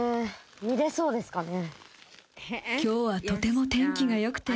見れそうですかね。